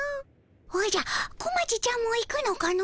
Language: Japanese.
おじゃ小町ちゃんも行くのかの？